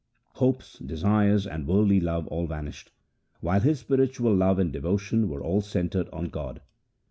Hopes, desires, and worldly love all vanished, while his spiritual love and devotion were all centred on God.